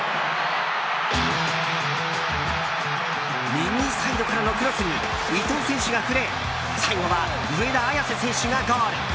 右サイドからのクロスに伊東選手が触れ最後は上田綺世選手がゴール！